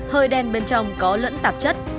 hơi đen bên trong có lẫn tạp chất